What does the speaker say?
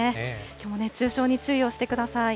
きょうも熱中症に注意をしてください。